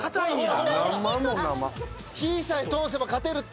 火さえ通せば勝てるって。